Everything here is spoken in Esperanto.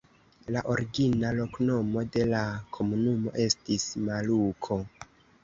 La origina loknomo de la komunumo estis Maluko.